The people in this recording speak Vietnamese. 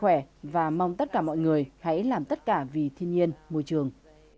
chúc mọi người khỏe và mong tất cả mọi người hãy làm tất cả vì thiên nhiên môi trường